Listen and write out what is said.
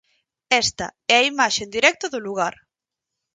Esta é a imaxe en directo do lugar.